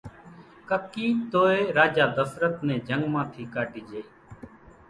ڪڪِي توئي راجا ڌسرت نين جنگ مان ٿي ڪاڍي جھئي۔